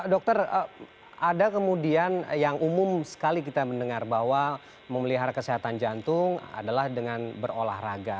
dokter ada kemudian yang umum sekali kita mendengar bahwa memelihara kesehatan jantung adalah dengan berolahraga